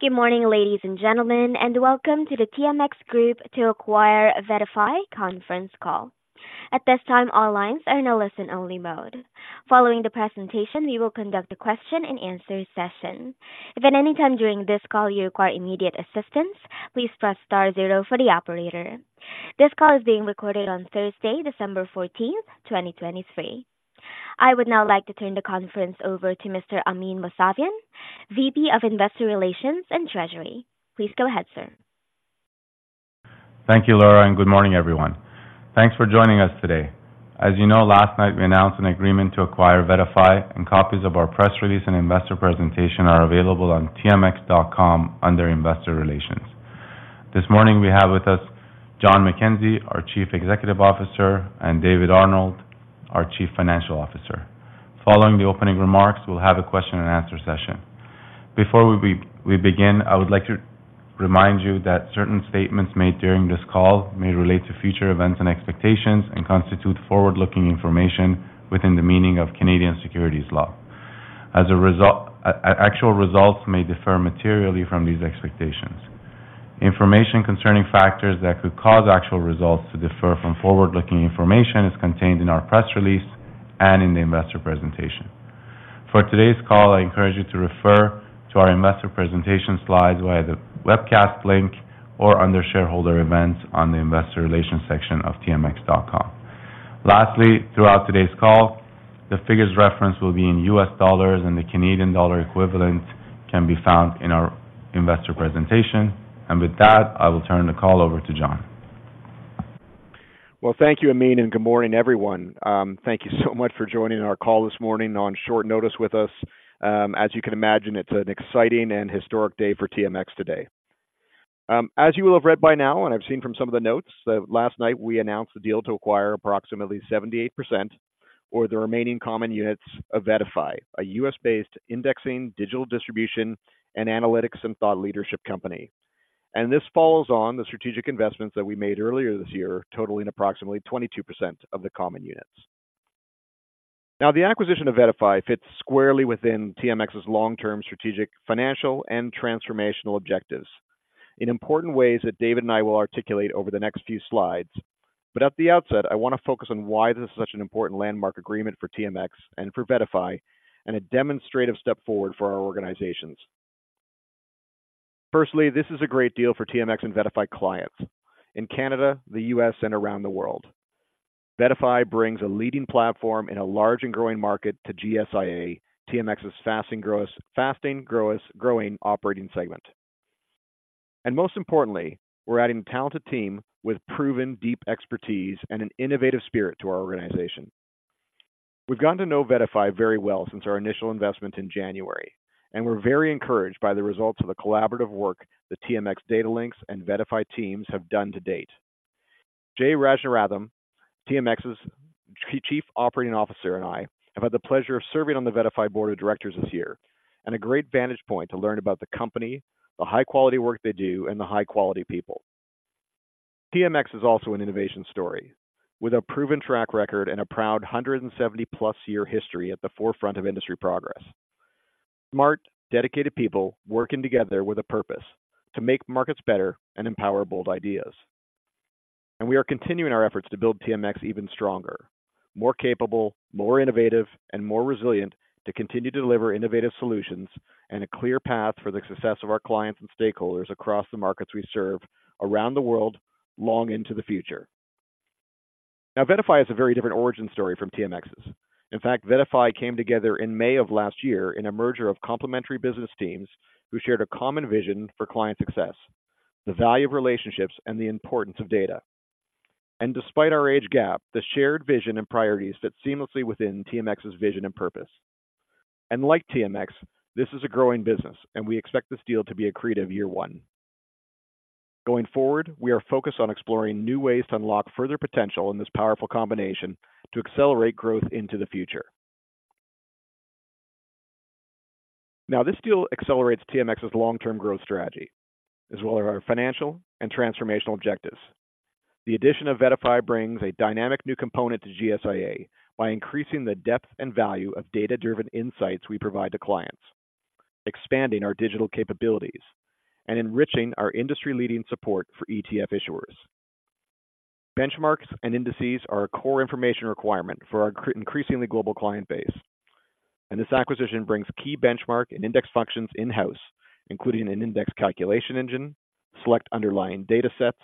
Good morning, ladies and gentlemen, and welcome to the TMX Group to acquire VettaFi conference call. At this time, all lines are in a listen-only mode. Following the presentation, we will conduct a question-and-answer session. If at any time during this call you require immediate assistance, please press star zero for the operator. This call is being recorded on Thursday, December 14, 2023. I would now like to turn the conference over to Mr. Amin Mousavian, VP of Investor Relations and Treasury. Please go ahead, sir. Thank you, Laura, and good morning, everyone. Thanks for joining us today. As you know, last night we announced an agreement to acquire VettaFi, and copies of our press release and investor presentation are available on tmx.com under Investor Relations. This morning we have with us John McKenzie, our Chief Executive Officer, and David Arnold, our Chief Financial Officer. Following the opening remarks, we'll have a question and answer session. Before we begin, I would like to remind you that certain statements made during this call may relate to future events and expectations and constitute forward-looking information within the meaning of Canadian securities law. As a result, actual results may differ materially from these expectations. Information concerning factors that could cause actual results to differ from forward-looking information is contained in our press release and in the investor presentation. For today's call, I encourage you to refer to our investor presentation slides via the webcast link or under Shareholder Events on the Investor Relations section of tmx.com. Lastly, throughout today's call, the figures referenced will be in U.S. dollars, and the Canadian dollar equivalent can be found in our investor presentation. With that, I will turn the call over to John. Well, thank you, Amin, and good morning, everyone. Thank you so much for joining our call this morning on short notice with us. As you can imagine, it's an exciting and historic day for TMX today. As you will have read by now, and I've seen from some of the notes that last night we announced the deal to acquire approximately 78% or the remaining common units of VettaFi, a U.S.-based indexing, digital distribution, and analytics and thought leadership company. This follows on the strategic investments that we made earlier this year, totaling approximately 22% of the common units. Now, the acquisition of VettaFi fits squarely within TMX's long-term strategic, financial, and transformational objectives in important ways that David and I will articulate over the next few slides. But at the outset, I want to focus on why this is such an important landmark agreement for TMX and for VettaFi, and a demonstrative step forward for our organizations. Firstly, this is a great deal for TMX and VettaFi clients in Canada, the U.S., and around the world. VettaFi brings a leading platform in a large and growing market to GSIA, TMX's fastest growing operating segment. And most importantly, we're adding a talented team with proven deep expertise and an innovative spirit to our organization. We've gotten to know VettaFi very well since our initial investment in January, and we're very encouraged by the results of the collaborative work the TMX Datalinx and VettaFi teams have done to date. Jay Rajarathinam, TMX's Chief Operating Officer, and I have had the pleasure of serving on the VettaFi board of directors this year, and a great vantage point to learn about the company, the high-quality work they do, and the high-quality people. TMX is also an innovation story with a proven track record and a proud 170-plus year history at the forefront of industry progress. Smart, dedicated people working together with a purpose to make markets better and empower bold ideas. We are continuing our efforts to build TMX even stronger, more capable, more innovative, and more resilient to continue to deliver innovative solutions and a clear path for the success of our clients and stakeholders across the markets we serve around the world, long into the future. Now, VettaFi has a very different origin story from TMX's. In fact, VettaFi came together in May of last year in a merger of complementary business teams who shared a common vision for client success, the value of relationships, and the importance of data. Despite our age gap, the shared vision and priorities fit seamlessly within TMX's vision and purpose. Like TMX, this is a growing business, and we expect this deal to be accretive year one. Going forward, we are focused on exploring new ways to unlock further potential in this powerful combination to accelerate growth into the future. Now, this deal accelerates TMX's long-term growth strategy, as well as our financial and transformational objectives. The addition of VettaFi brings a dynamic new component to GSIA by increasing the depth and value of data-driven insights we provide to clients, expanding our digital capabilities, and enriching our industry-leading support for ETF issuers. Benchmarks and indices are a core information requirement for our increasingly global client base, and this acquisition brings key benchmark and index functions in-house, including an index calculation engine, select underlying data sets,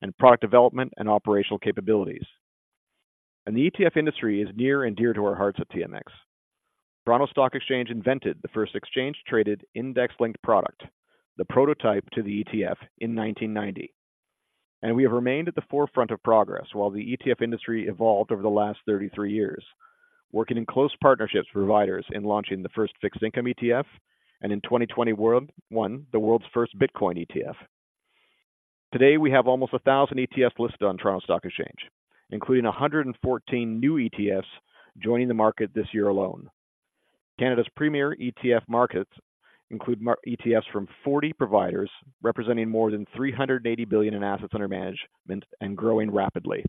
and product development and operational capabilities. The ETF industry is near and dear to our hearts at TMX. Toronto Stock Exchange invented the first exchange-traded index-linked product, the prototype to the ETF, in 1990, and we have remained at the forefront of progress while the ETF industry evolved over the last 33 years, working in close partnerships with providers in launching the first fixed income ETF and in 2021, the world's first Bitcoin ETF. Today, we have almost 1,000 ETFs listed on Toronto Stock Exchange, including 114 new ETFs joining the market this year alone. Canada's premier ETF markets include ETFs from 40 providers, representing more than 380 billion in assets under management and growing rapidly.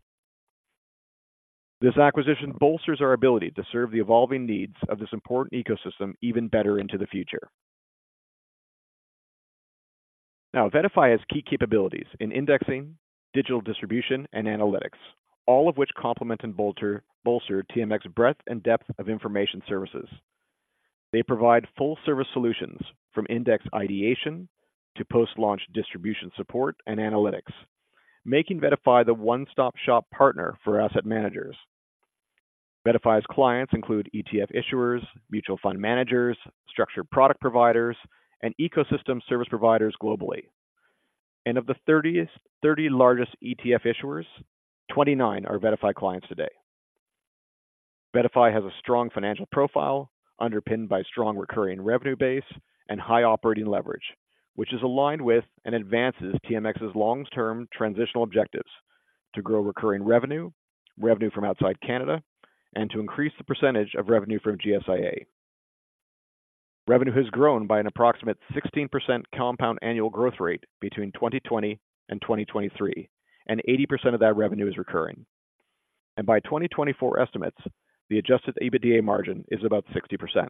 This acquisition bolsters our ability to serve the evolving needs of this important ecosystem even better into the future. Now, VettaFi has key capabilities in indexing, digital distribution, and analytics, all of which complement and bolster TMX's breadth and depth of information services. They provide full service solutions from index ideation to post-launch distribution support and analytics, making VettaFi the one-stop-shop partner for asset managers. VettaFi's clients include ETF issuers, mutual fund managers, structured product providers, and ecosystem service providers globally. And of the 30 largest ETF issuers, 29 are VettaFi clients today. VettaFi has a strong financial profile, underpinned by strong recurring revenue base and high operating leverage, which is aligned with and advances TMX's long-term transitional objectives to grow recurring revenue, revenue from outside Canada, and to increase the percentage of revenue from GSIA. Revenue has grown by an approximate 16% compound annual growth rate between 2020 and 2023, and 80% of that revenue is recurring. By 2024 estimates, the Adjusted EBITDA margin is about 60%.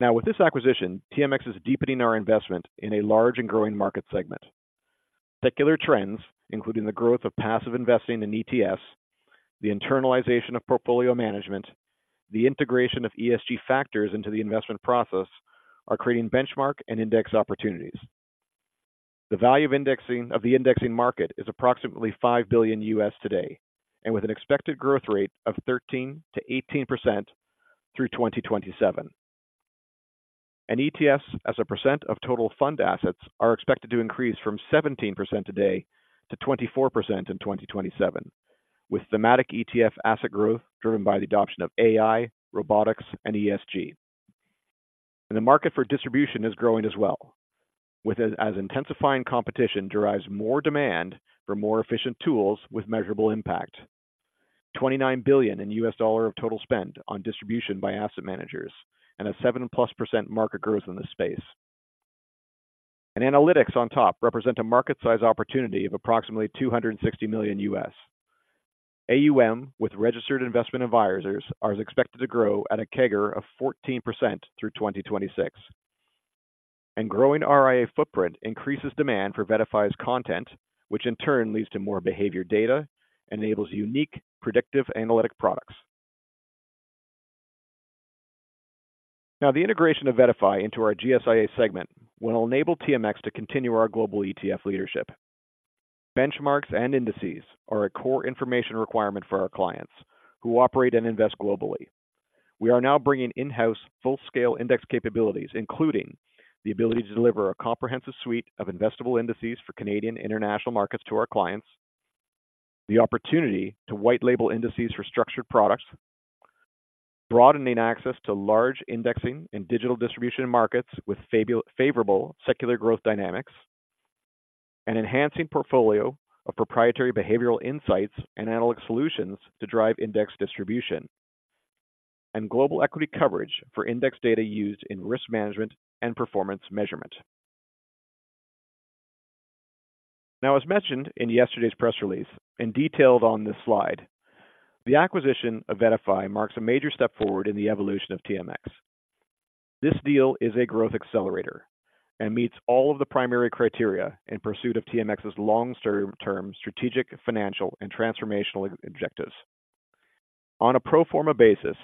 Now, with this acquisition, TMX is deepening our investment in a large and growing market segment. Particular trends, including the growth of passive investing in ETFs, the internalization of portfolio management, the integration of ESG factors into the investment process, are creating benchmark and index opportunities. The value of indexing of the indexing market is approximately $5 billion today, with an expected growth rate of 13%-18% through 2027. ETFs as a percent of total fund assets are expected to increase from 17% today to 24% in 2027, with thematic ETF asset growth driven by the adoption of AI, robotics, and ESG. The market for distribution is growing as well, with intensifying competition drives more demand for more efficient tools with measurable impact. $29 billion in US dollars of total spend on distribution by asset managers, and a 7%+ market growth in this space. Analytics on top represent a market size opportunity of approximately $260 million AUM, with registered investment advisors expected to grow at a CAGR of 14% through 2026. And growing RIA footprint increases demand for VettaFi's content, which in turn leads to more behavior data, enables unique predictive analytic products. Now, the integration of VettaFi into our GSIA segment will enable TMX to continue our global ETF leadership. Benchmarks and indices are a core information requirement for our clients who operate and invest globally. We are now bringing in-house full-scale index capabilities, including the ability to deliver a comprehensive suite of investable indices for Canadian international markets to our clients, the opportunity to white label indices for structured products, broadening access to large indexing and digital distribution markets with favorable secular growth dynamics, an enhancing portfolio of proprietary behavioral insights and analytic solutions to drive index distribution, and global equity coverage for index data used in risk management and performance measurement. Now, as mentioned in yesterday's press release and detailed on this slide, the acquisition of VettaFi marks a major step forward in the evolution of TMX. This deal is a growth accelerator and meets all of the primary criteria in pursuit of TMX's long-term strategic, financial, and transformational objectives. On a pro forma basis,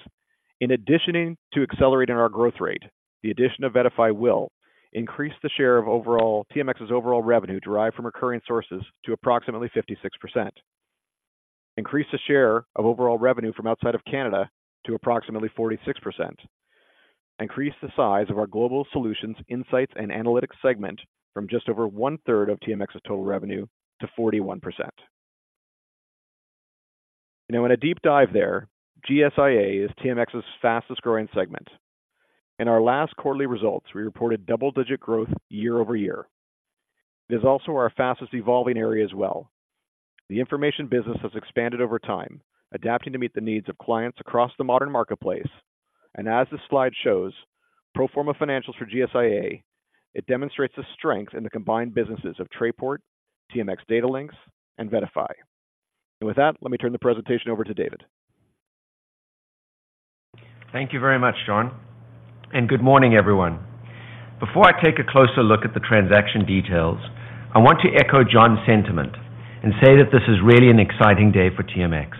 in addition to accelerating our growth rate, the addition of VettaFi will increase the share of overall TMX's overall revenue derived from recurring sources to approximately 56%, increase the share of overall revenue from outside of Canada to approximately 46%, increase the size of our Global Solutions, Insights, and Analytics segment from just over one-third of TMX's total revenue to 41%. Now, in a deep dive there, GSIA is TMX's fastest-growing segment. In our last quarterly results, we reported double-digit growth year-over-year. It is also our fastest evolving area as well. The information business has expanded over time, adapting to meet the needs of clients across the modern marketplace, and as this slide shows, pro forma financials for GSIA. It demonstrates the strength in the combined businesses of Trayport, TMX Datalinx, and VettaFi. With that, let me turn the presentation over to David. Thank you very much, John, and good morning, everyone. Before I take a closer look at the transaction details, I want to echo John's sentiment and say that this is really an exciting day for TMX.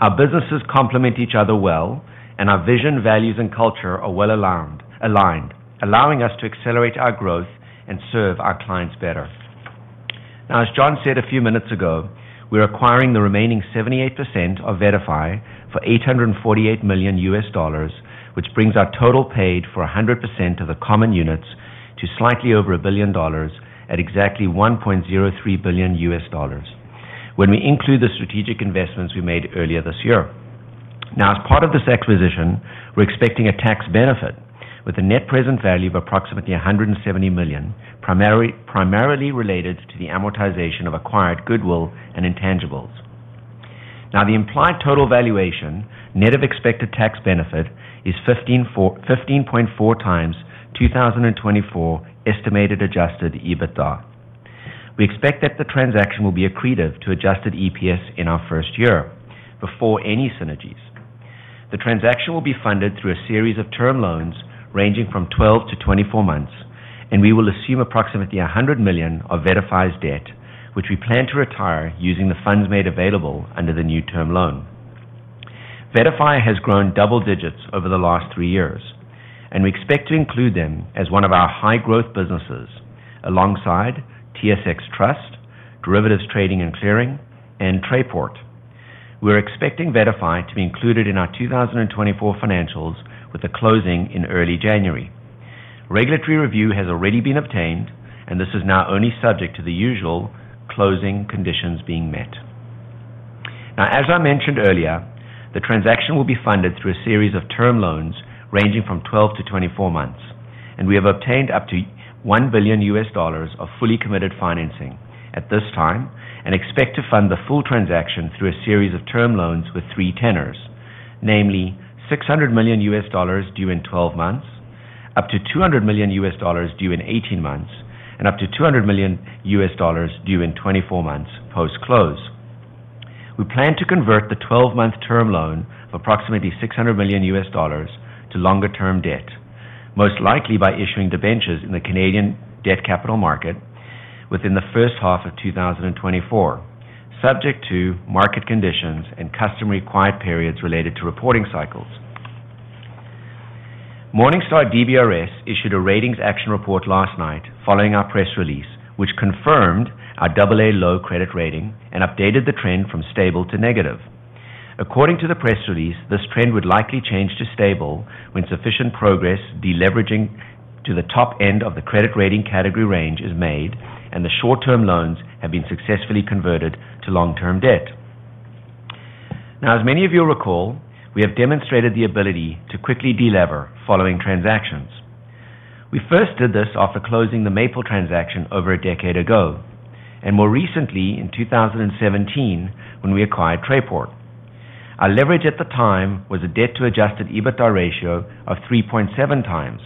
Our businesses complement each other well, and our vision, values, and culture are well aligned, allowing us to accelerate our growth and serve our clients better. Now, as John said a few minutes ago, we're acquiring the remaining 78% of VettaFi for $848 million, which brings our total paid for 100% of the common units to slightly over a billion dollars at exactly $1.03 billion when we include the strategic investments we made earlier this year. Now, as part of this acquisition, we're expecting a tax benefit with a net present value of approximately $170 million, primarily related to the amortization of acquired goodwill and intangibles. Now, the implied total valuation, net of expected tax benefit, is 15.4x 2024 estimated Adjusted EBITDA. We expect that the transaction will be accretive to Adjusted EPS in our first year before any synergies. The transaction will be funded through a series of term loans ranging from 12-24 months, and we will assume approximately $100 million of VettaFi's debt, which we plan to retire using the funds made available under the new term loan. VettaFi has grown double digits over the last three years, and we expect to include them as one of our high-growth businesses alongside TSX Trust, Derivatives Trading and Clearing, and Trayport. We're expecting VettaFi to be included in our 2024 financials with a closing in early January. Regulatory review has already been obtained, and this is now only subject to the usual closing conditions being met. Now, as I mentioned earlier, the transaction will be funded through a series of term loans ranging from 12-24 months, and we have obtained up to $1 billion of fully committed financing at this time, and expect to fund the full transaction through a series of term loans with three tenors. Namely, $600 million due in 12 months, up to $200 million due in 18 months, and up to $200 million due in 24 months post-close. We plan to convert the 12-month term loan of approximately $600 million to longer term debt, most likely by issuing debentures in the Canadian debt capital market within the first half of 2024, subject to market conditions and customary quiet periods related to reporting cycles. Morningstar DBRS issued a ratings action report last night following our press release, which confirmed our AA(low) credit rating and updated the trend from stable to negative. According to the press release, this trend would likely change to stable when sufficient progress deleveraging to the top end of the credit rating category range is made and the short-term loans have been successfully converted to long-term debt. Now, as many of you recall, we have demonstrated the ability to quickly delever following transactions. We first did this after closing the Maple transaction over a decade ago, and more recently in 2017, when we acquired Trayport. Our leverage at the time was a debt to Adjusted EBITDA ratio of 3.7 times,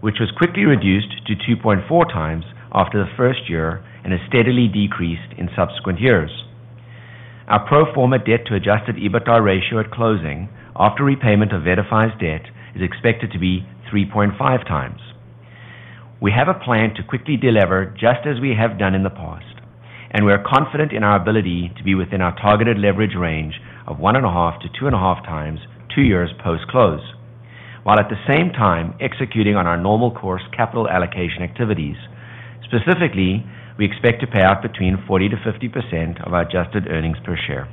which was quickly reduced to 2.4 times after the first year and has steadily decreased in subsequent years. Our pro forma debt to Adjusted EBITDA ratio at closing, after repayment of VettaFi's debt, is expected to be 3.5 times. We have a plan to quickly delever, just as we have done in the past, and we are confident in our ability to be within our targeted leverage range of 1.5-2.5 times, two years post-close, while at the same time executing on our normal course capital allocation activities. Specifically, we expect to pay out between 40%-50% of our adjusted earnings per share.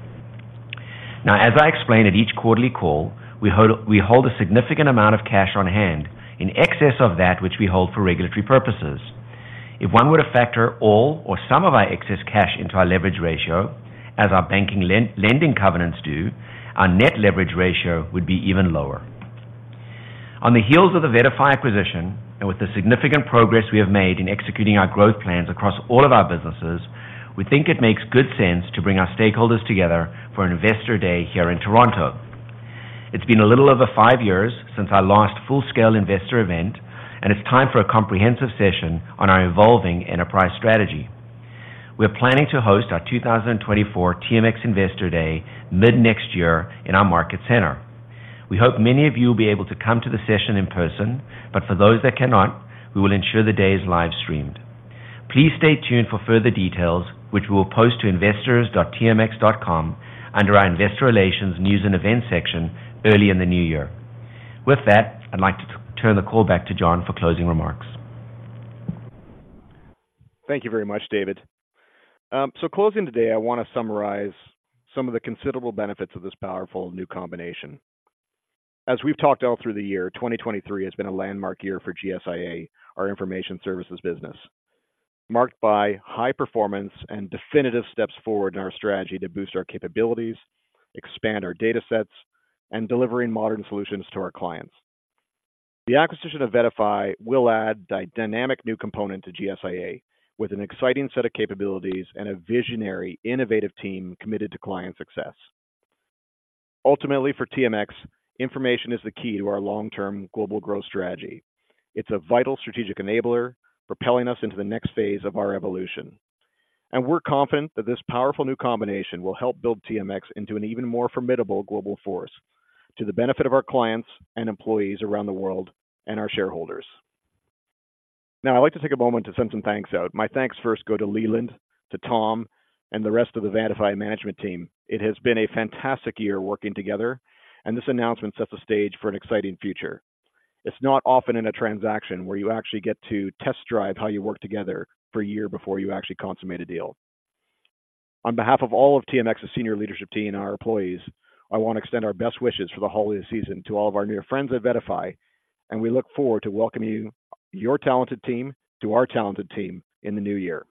Now, as I explained at each quarterly call, we hold a significant amount of cash on hand in excess of that which we hold for regulatory purposes. If one were to factor all or some of our excess cash into our leverage ratio, as our banking lending covenants do, our net leverage ratio would be even lower. On the heels of the VettaFi acquisition, and with the significant progress we have made in executing our growth plans across all of our businesses, we think it makes good sense to bring our stakeholders together for an investor day here in Toronto. It's been a little over five years since our last full-scale investor event, and it's time for a comprehensive session on our evolving enterprise strategy. We're planning to host our 2024 TMX Investor Day mid-next year in our Market Centre. We hope many of you will be able to come to the session in person, but for those that cannot, we will ensure the day is live-streamed. Please stay tuned for further details, which we'll post to investors.tmx.com under our Investor Relations News and Events section early in the new year. With that, I'd like to turn the call back to John for closing remarks. Thank you very much, David. So, closing today, I want to summarize some of the considerable benefits of this powerful new combination. As we've talked all through the year, 2023 has been a landmark year for GSIA, our information services business, marked by high performance and definitive steps forward in our strategy to boost our capabilities, expand our datasets, and delivering modern solutions to our clients. The acquisition of VettaFi will add a dynamic new component to GSIA, with an exciting set of capabilities and a visionary, innovative team committed to client success. Ultimately, for TMX, information is the key to our long-term global growth strategy. It's a vital strategic enabler, propelling us into the next phase of our evolution. We're confident that this powerful new combination will help build TMX into an even more formidable global force, to the benefit of our clients and employees around the world and our shareholders. Now, I'd like to take a moment to send some thanks out. My thanks first go to Leland, to Tom, and the rest of the VettaFi management team. It has been a fantastic year working together, and this announcement sets the stage for an exciting future. It's not often in a transaction where you actually get to test drive how you work together for a year before you actually consummate a deal. On behalf of all of TMX's senior leadership team and our employees, I want to extend our best wishes for the holiday season to all of our new friends at VettaFi, and we look forward to welcoming you, your talented team to our talented team in the new year.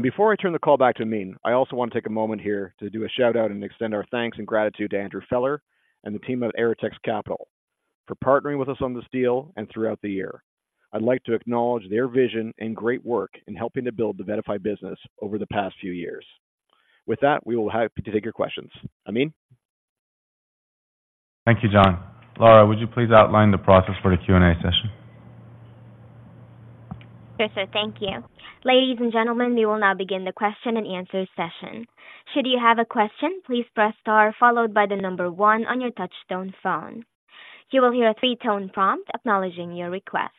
Before I turn the call back to Amin, I also want to take a moment here to do a shout-out and extend our thanks and gratitude to Andrew Feller and the team of Aretex Capital, for partnering with us on this deal and throughout the year. I'd like to acknowledge their vision and great work in helping to build the VettaFi business over the past few years. With that, we will be happy to take your questions. Amin? Thank you, John. Laura, would you please outline the process for the Q and A session? Sure, sir. Thank you. Ladies and gentlemen, we will now begin the question-and-answer session. Should you have a question, please press star followed by one on your touch-tone phone. You will hear a three-tone prompt acknowledging your request.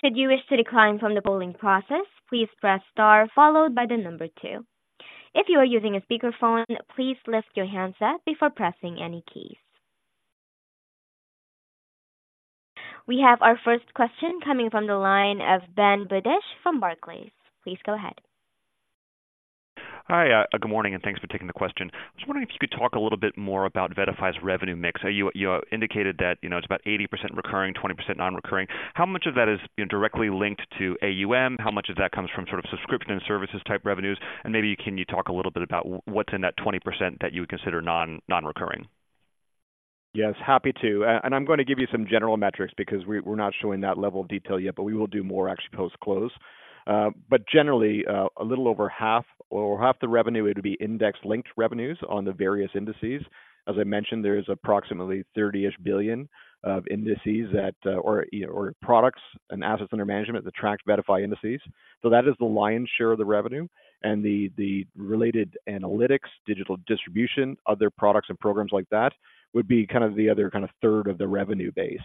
Should you wish to decline from the polling process, please press star followed by two. If you are using a speakerphone, please lift your handset before pressing any keys. We have our first question coming from the line of Ben Budish from Barclays. Please go ahead. Hi, good morning, and thanks for taking the question. I was wondering if you could talk a little bit more about VettaFi's revenue mix. You indicated that, you know, it's about 80% recurring, 20% non-recurring. How much of that is, you know, directly linked to AUM? How much of that comes from sort of subscription and services type revenues? And maybe can you talk a little bit about what's in that 20% that you would consider non-recurring? Yes, happy to. And I'm going to give you some general metrics because we, we're not showing that level of detail yet, but we will do more actually post-close. But generally, a little over half or half the revenue would be index-linked revenues on the various indices. As I mentioned, there is approximately $30 billion of indices that, or, you know, or products and assets under management that tracks VettaFi indices. So that is the lion's share of the revenue and the, the related analytics, digital distribution, other products and programs like that, would be kind of the other kind of third of the revenue base.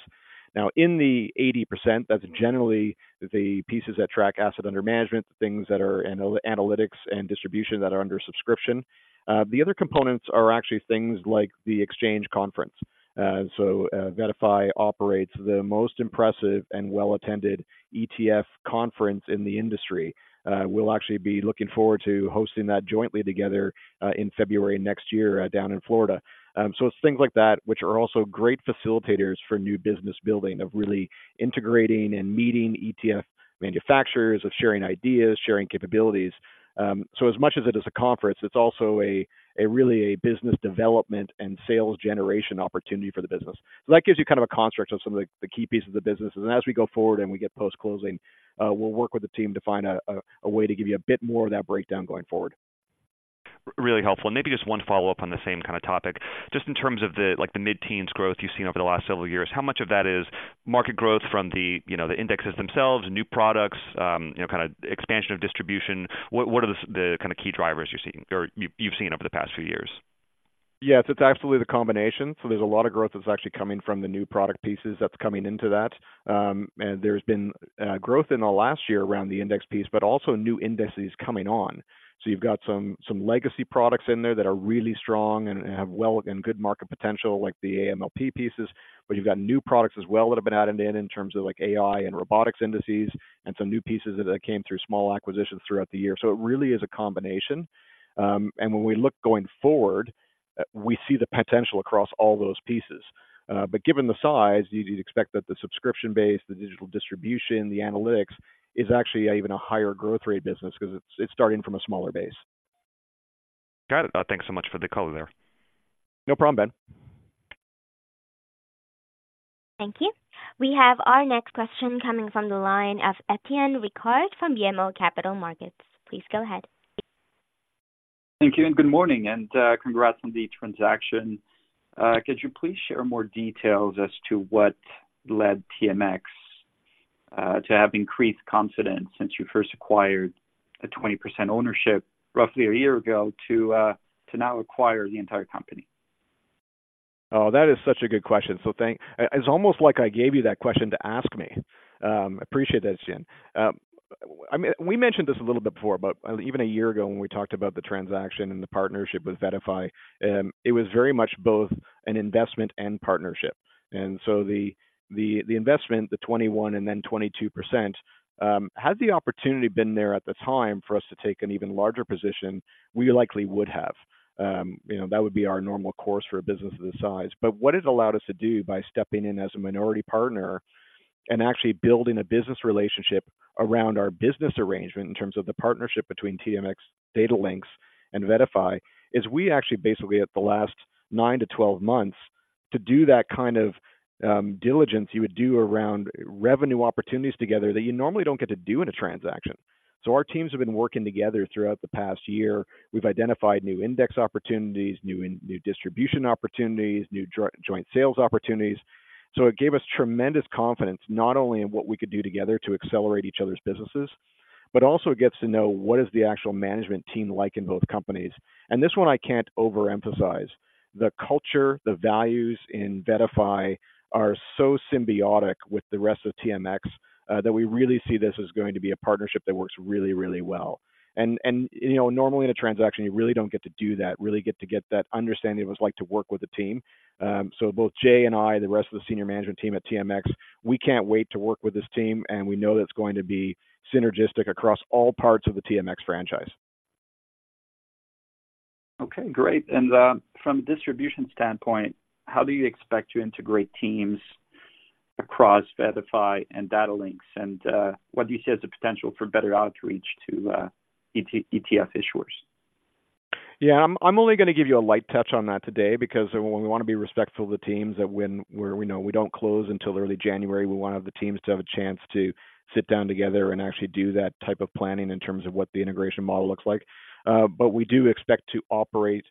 Now, in the 80%, that's generally the pieces that track assets under management, things that are analytics and distribution that are under subscription. The other components are actually things like the Exchange conference. So, VettaFi operates the most impressive and well-attended ETF conference in the industry. We'll actually be looking forward to hosting that jointly together in February next year down in Florida. So it's things like that, which are also great facilitators for new business building, of really integrating and meeting ETF manufacturers, of sharing ideas, sharing capabilities. So as much as it is a conference, it's also really a business development and sales generation opportunity for the business. So that gives you kind of a construct of some of the key pieces of the business. As we go forward and we get post-closing, we'll work with the team to find a way to give you a bit more of that breakdown going forward. Really helpful. Maybe just one follow-up on the same kind of topic. Just in terms of the, like the mid-teens growth you've seen over the last several years, how much of that is market growth from the, you know, the indexes themselves, new products, you know, kind of expansion of distribution? What, what are the, the kind of key drivers you're seeing or you, you've seen over the past few years? Yes, it's absolutely the combination. So there's a lot of growth that's actually coming from the new product pieces that's coming into that. And there's been growth in the last year around the index piece, but also new indices coming on. So you've got some, some legacy products in there that are really strong and, and have well and good market potential, like the AMLP pieces, but you've got new products as well that have been added in in terms of like AI and robotics indices, and some new pieces that came through small acquisitions throughout the year. So it really is a combination. And when we look going forward, we see the potential across all those pieces. But given the size, you'd expect that the subscription base, the digital distribution, the analytics is actually an even higher growth rate business because it's starting from a smaller base. Got it. Thanks so much for the color there. No problem, Ben. Thank you. We have our next question coming from the line of Étienne Ricard from BMO Capital Markets. Please go ahead. Thank you and good morning, and, congrats on the transaction. Could you please share more details as to what led TMX to have increased confidence since you first acquired a 20% ownership roughly a year ago, to now acquire the entire company? Oh, that is such a good question. So thank you. It's almost like I gave you that question to ask me. Appreciate that, Étienne. I mean, we mentioned this a little bit before, but even a year ago when we talked about the transaction and the partnership with VettaFi, it was very much both an investment and partnership. And so the investment, the 21 and then 22%, had the opportunity been there at the time for us to take an even larger position, we likely would have. You know, that would be our normal course for a business of this size. But what it allowed us to do by stepping in as a minority partner and actually building a business relationship around our business arrangement in terms of the partnership between TMX Datalinx and VettaFi is we actually basically, at the last 9-12 months, to do that kind of diligence you would do around revenue opportunities together that you normally don't get to do in a transaction. So our teams have been working together throughout the past year. We've identified new index opportunities, new distribution opportunities, new joint sales opportunities. So it gave us tremendous confidence, not only in what we could do together to accelerate each other's businesses, but also get to know what is the actual management team like in both companies. And this one, I can't overemphasize. The culture, the values in VettaFi are so symbiotic with the rest of TMX, that we really see this as going to be a partnership that works really, really well. And, you know, normally in a transaction, you really don't get to do that, really get to get that understanding of what it's like to work with the team. So both Jay and I, the rest of the senior management team at TMX, we can't wait to work with this team, and we know that it's going to be synergistic across all parts of the TMX franchise. Okay, great. And from a distribution standpoint, how do you expect to integrate teams across VettaFi and Datalinx? And what do you see as the potential for better outreach to ETF issuers? Yeah, I'm only going to give you a light touch on that today because we want to be respectful of the teams that, when we know we don't close until early January. We want the teams to have a chance to sit down together and actually do that type of planning in terms of what the integration model looks like. But we do expect to operate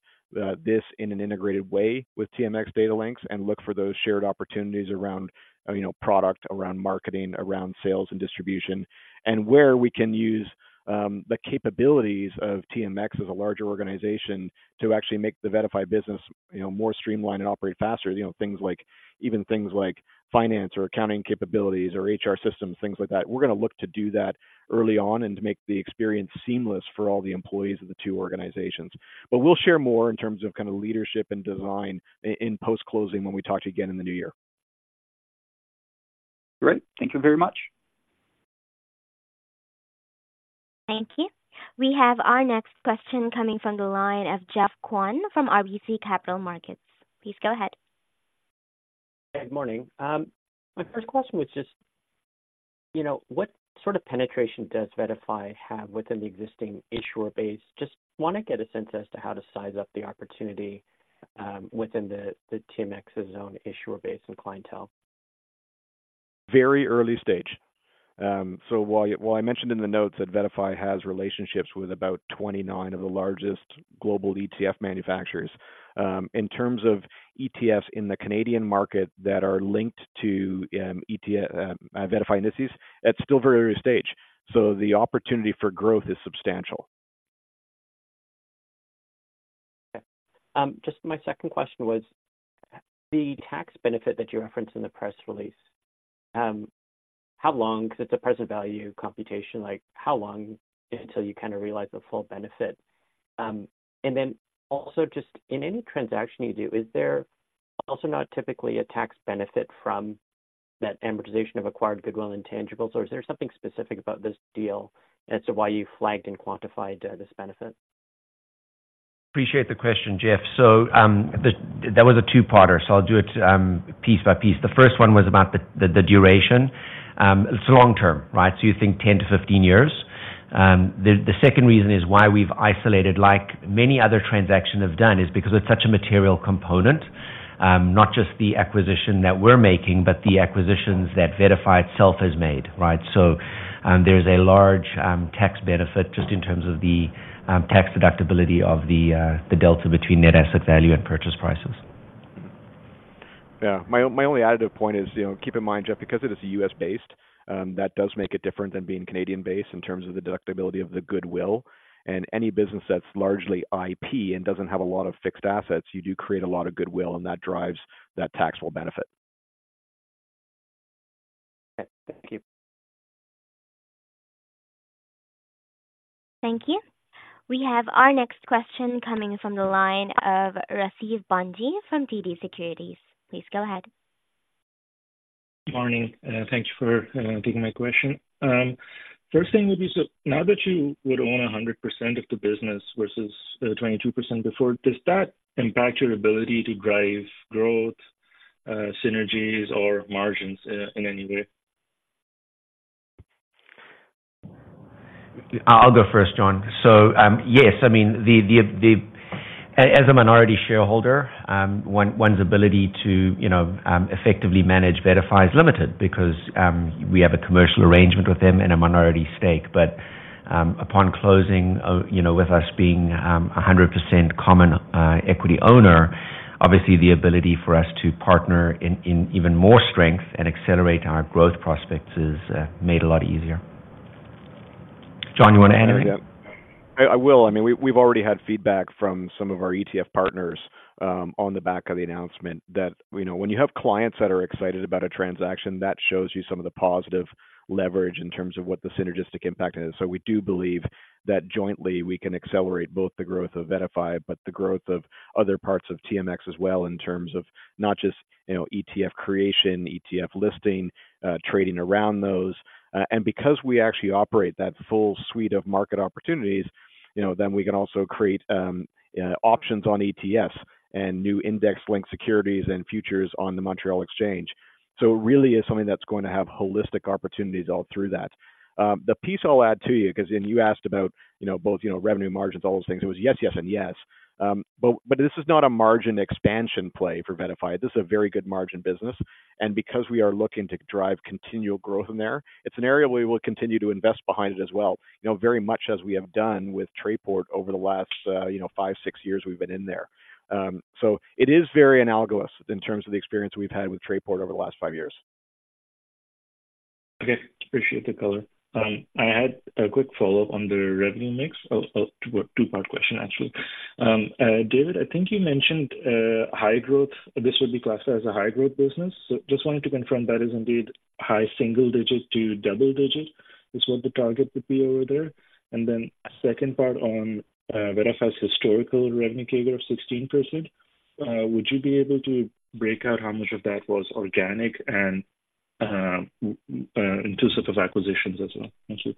this in an integrated way with TMX Datalinx and look for those shared opportunities around, you know, product, around marketing, around sales and distribution. And where we can use the capabilities of TMX as a larger organization to actually make the VettaFi business, you know, more streamlined and operate faster. You know, things like, even things like finance or accounting capabilities or HR systems, things like that. We're going to look to do that early on and to make the experience seamless for all the employees of the two organizations. But we'll share more in terms of kind of leadership and design in post-closing when we talk to you again in the new year. Great. Thank you very much. Thank you. We have our next question coming from the line of Jeff Kwan from RBC Capital Markets. Please go ahead. Good morning. My first question was just, you know, what sort of penetration does VettaFi have within the existing issuer base? Just want to get a sense as to how to size up the opportunity within the TMX's own issuer base and clientele. Very early stage. So while, while I mentioned in the notes that VettaFi has relationships with about 29 of the largest global ETF manufacturers, in terms of ETFs in the Canadian market that are linked to, VettaFi, VettaFi indices, it's still very early stage. So the opportunity for growth is substantial. Okay. Just my second question was: the tax benefit that you referenced in the press release, how long? Because it's a present value computation, like, how long until you kind of realize the full benefit? And then also just in any transaction you do, is there also not typically a tax benefit from that amortization of acquired goodwill intangibles, or is there something specific about this deal as to why you flagged and quantified this benefit? Appreciate the question, Jeff. So, That was a two-parter, so I'll do it, piece by piece. The first one was about the duration. It's long term, right? So you think 10-15 years. The second reason is why we've isolated, like many other transactions have done, is because it's such a material component, not just the acquisition that we're making, but the acquisitions that VettaFi itself has made, right? So, there's a large tax benefit just in terms of the tax deductibility of the delta between net asset value and purchase prices. Yeah. My only additive point is, you know, keep in mind, Jeff, because it is U.S., based, that does make it different than being Canadian-based in terms of the deductibility of the goodwill. And any business that's largely IP and doesn't have a lot of fixed assets, you do create a lot of goodwill, and that drives that taxable benefit. Okay. Thank you. Thank you. We have our next question coming from the line of Rasib Bhanji from TD Securities. Please go ahead. Good morning, and thank you for taking my question. First thing would be, so now that you would own 100% of the business versus 22% before, does that impact your ability to drive growth, synergies, or margins in any way? I'll go first, John. So, yes, I mean, as a minority shareholder, one's ability to, you know, effectively manage VettaFi is limited because we have a commercial arrangement with them and a minority stake. But, upon closing, you know, with us being 100% common equity owner, obviously the ability for us to partner in even more strength and accelerate our growth prospects is made a lot easier. John, you want to add anything? I will. I mean, we've already had feedback from some of our ETF partners on the back of the announcement that, you know, when you have clients that are excited about a transaction, that shows you some of the positive leverage in terms of what the synergistic impact is. So we do believe that jointly, we can accelerate both the growth of VettaFi, but the growth of other parts of TMX as well, in terms of not just, you know, ETF creation, ETF listing, trading around those. And because we actually operate that full suite of market opportunities, you know, then we can also create options on ETFs and new index-linked securities and futures on the Montréal Exchange. So it really is something that's going to have holistic opportunities all through that. The piece I'll add to you, because then you asked about, you know, both, you know, revenue margins, all those things. It was yes, yes, and yes. But this is not a margin expansion play for VettaFi. This is a very good margin business, and because we are looking to drive continual growth in there, it's an area we will continue to invest behind it as well. You know, very much as we have done with Trayport over the last, you know, five, six years we've been in there. So it is very analogous in terms of the experience we've had with Trayport over the last five years. Okay, appreciate the color. I had a quick follow-up on the revenue mix. Two-part question actually. David, I think you mentioned high growth. This would be classed as a high growth business. So just wanted to confirm that is indeed high single digits to double digits, is what the target would be over there? And then second part on VettaFi's historical revenue CAGR of 16%, would you be able to break out how much of that was organic and in terms of acquisitions as well? Thank you.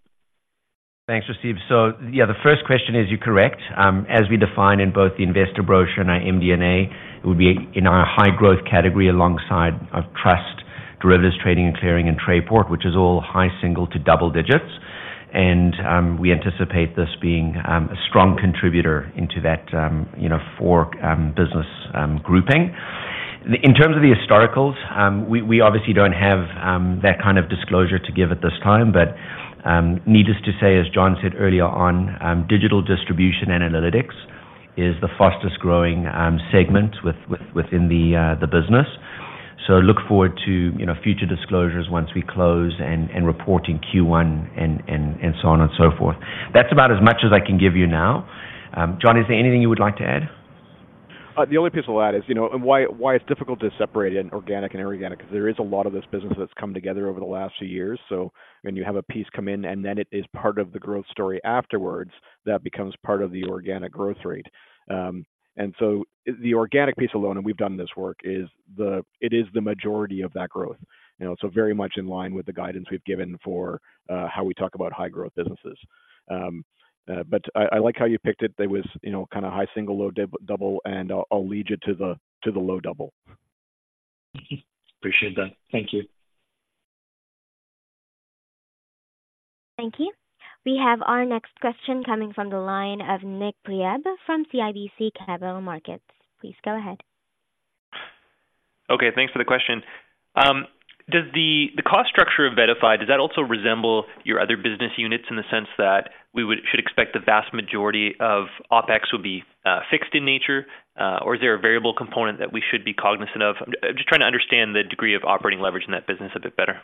Thanks, Rasib. So yeah, the first question is, you're correct. As we define in both the investor brochure and our MD&A, it would be in our high growth category, alongside TSX Trust, derivatives trading and clearing, and Trayport, which is all high single to double digits. And we anticipate this being a strong contributor into that, you know, four business grouping. In terms of the historicals, we obviously don't have that kind of disclosure to give at this time. But needless to say, as John said earlier on, digital distribution analytics is the fastest growing segment within the business. So look forward to, you know, future disclosures once we close and so on and so forth. That's about as much as I can give you now. John, is there anything you would like to add? The only piece I'll add is, you know, and why, why it's difficult to separate organic and inorganic, because there is a lot of this business that's come together over the last few years. So when you have a piece come in and then it is part of the growth story afterwards, that becomes part of the organic growth rate. And so the organic piece alone, and we've done this work, is the majority of that growth. You know, so very much in line with the guidance we've given for how we talk about high growth businesses. But I like how you picked it. There was, you know, kind of high single, low double, and I'll lead you to the low double. Appreciate that. Thank you. Thank you. We have our next question coming from the line of Nik Priebe from CIBC Capital Markets. Please go ahead. Okay, thanks for the question. Does the cost structure of VettaFi also resemble your other business units in the sense that we should expect the vast majority of OpEx would be fixed in nature? Or is there a variable component that we should be cognizant of? I'm just trying to understand the degree of operating leverage in that business a bit better.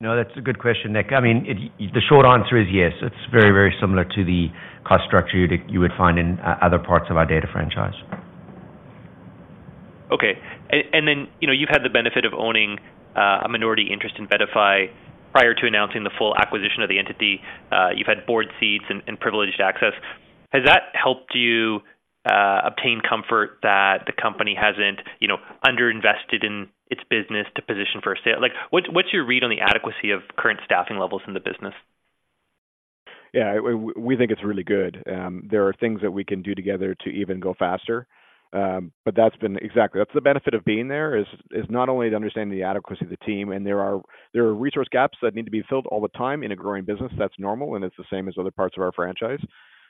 No, that's a good question, Nik. I mean, it. The short answer is yes. It's very, very similar to the cost structure you would find in other parts of our data franchise. Okay. And then, you know, you've had the benefit of owning a minority interest in VettaFi prior to announcing the full acquisition of the entity. You've had board seats and privileged access. Has that helped you obtain comfort that the company hasn't, you know, underinvested in its business to position for a sale? Like, what's your read on the adequacy of current staffing levels in the business? Yeah, we think it's really good. There are things that we can do together to even go faster. But that's been, exactly, that's the benefit of being there, is not only to understand the adequacy of the team, and there are resource gaps that need to be filled all the time in a growing business. That's normal, and it's the same as other parts of our franchise.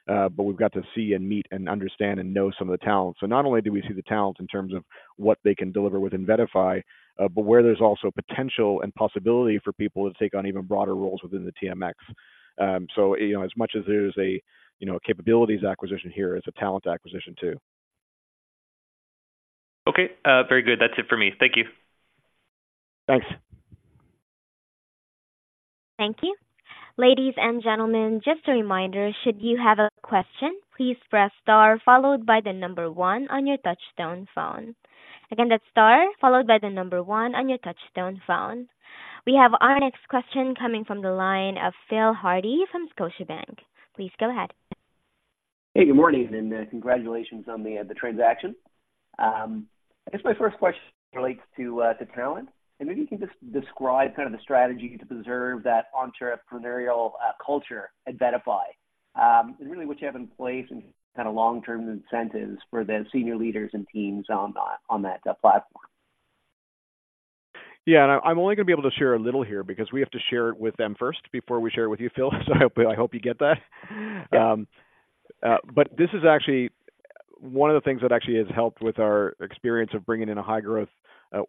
But we've got to see and meet and understand and know some of the talent. So not only do we see the talent in terms of what they can deliver within VettaFi, but where there's also potential and possibility for people to take on even broader roles within the TMX. So, you know, as much as there's a, you know, capabilities acquisition here, it's a talent acquisition, too. Okay, very good. That's it for me. Thank you. Thanks. Thank you. Ladies and gentlemen, just a reminder, should you have a question, please press star followed by the number one on your touchtone phone. Again, that's star followed by the number one on your touchtone phone. We have our next question coming from the line of Phil Hardie from Scotiabank. Please go ahead. Hey, good morning, and congratulations on the transaction. I guess my first question relates to talent. And maybe you can just describe kind of the strategy to preserve that entrepreneurial culture at VettaFi. And really what you have in place and kind of long-term incentives for the senior leaders and teams on that platform. Yeah, and I'm only going to be able to share a little here because we have to share it with them first before we share it with you, Phil. So I hope, I hope you get that. Yeah. But this is actually one of the things that actually has helped with our experience of bringing in a high-growth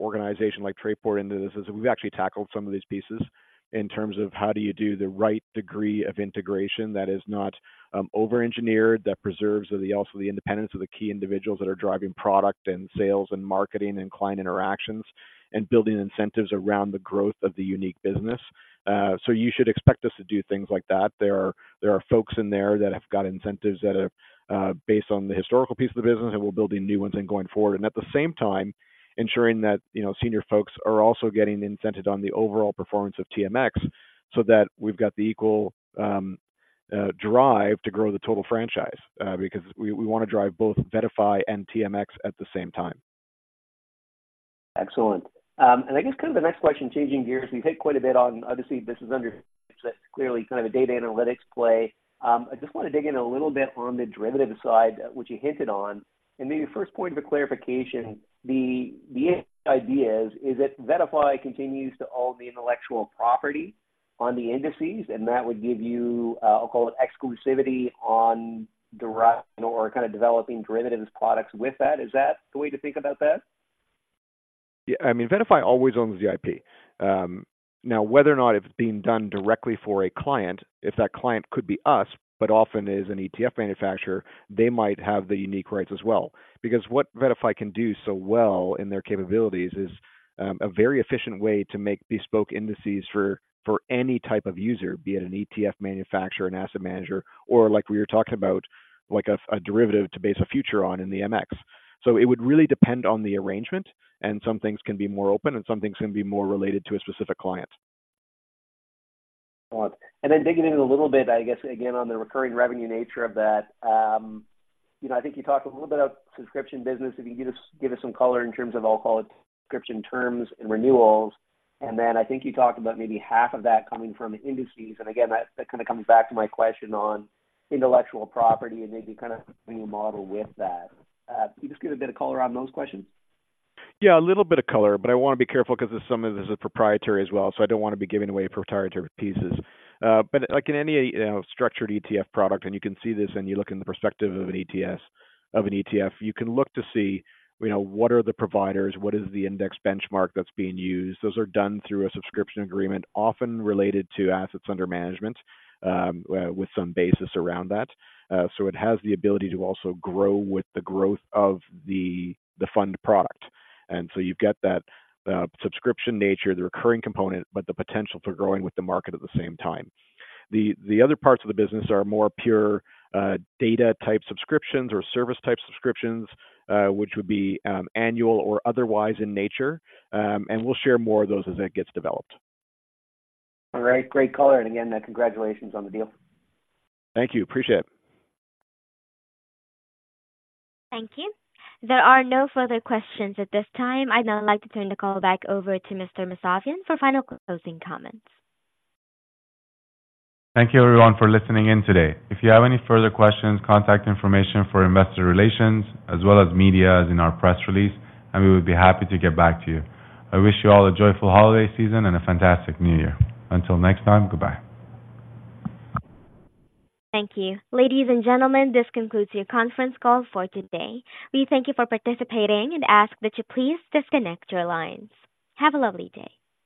organization like Trayport into this, is we've actually tackled some of these pieces in terms of how do you do the right degree of integration that is not overengineered, that preserves the also the independence of the key individuals that are driving product and sales and marketing and client interactions, and building incentives around the growth of the unique business. So you should expect us to do things like that. There are folks in there that have got incentives that are based on the historical piece of the business, and we're building new ones and going forward. At the same time, ensuring that, you know, senior folks are also getting incented on the overall performance of TMX so that we've got the equal drive to grow the total franchise, because we want to drive both VettaFi and TMX at the same time. Excellent. And I guess kind of the next question, changing gears, we've hit quite a bit on obviously this is under clearly kind of a data analytics play. I just want to dig in a little bit on the derivative side, which you hinted on. And maybe the first point of a clarification, the idea is that VettaFi continues to own the intellectual property on the indices, and that would give you exclusivity on derivatives or kind of developing derivatives products with that. Is that the way to think about that? Yeah. I mean, VettaFi always owns the IP. Now, whether or not it's being done directly for a client, if that client could be us, but often is an ETF manufacturer, they might have the unique rights as well. Because what VettaFi can do so well in their capabilities is a very efficient way to make bespoke indices for any type of user, be it an ETF manufacturer, an asset manager, or like we were talking about, like a derivative to base a future on in the MX. So it would really depend on the arrangement, and some things can be more open and some things can be more related to a specific client. Digging in a little bit, I guess again, on the recurring revenue nature of that, you know, I think you talked a little bit about subscription business. If you could just give us some color in terms of, I'll call it subscription terms and renewals. And then I think you talked about maybe half of that coming from indices. And again, that, that kind of comes back to my question on intellectual property and maybe kind of modeling the model with that. Can you just give a bit of color on those questions? Yeah, a little bit of color, but I want to be careful because some of this is proprietary as well, so I don't want to be giving away proprietary pieces. But like in any, you know, structured ETF product, and you can see this when you look in the perspective of an ETF, you can look to see, you know, what are the providers, what is the index benchmark that's being used. Those are done through a subscription agreement, often related to assets under management, with some basis around that. So it has the ability to also grow with the growth of the fund product. And so you've got that, subscription nature, the recurring component, but the potential for growing with the market at the same time. The other parts of the business are more pure data type subscriptions or service type subscriptions, which would be annual or otherwise in nature. And we'll share more of those as it gets developed. All right. Great color, and again, congratulations on the deal. Thank you. Appreciate it. Thank you. There are no further questions at this time. I'd now like to turn the call back over to Mr. Mousavian for final closing comments. Thank you everyone for listening in today. If you have any further questions, contact information for investor relations as well as media, is in our press release, and we would be happy to get back to you. I wish you all a joyful holiday season and a fantastic New Year. Until next time, goodbye. Thank you. Ladies and gentlemen, this concludes your conference call for today. We thank you for participating and ask that you please disconnect your lines. Have a lovely day.